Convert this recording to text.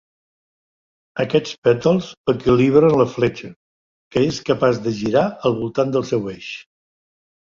Aquests pètals equilibren la fletxa, que és capaç de girar al voltant del seu eix.